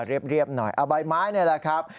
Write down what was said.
เรียบหน่อยเอาใบไม้นี่แหละครับ